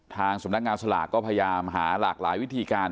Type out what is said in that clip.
ทางสำนักงานสลากก็พยายามหาหลากหลายวิธีการ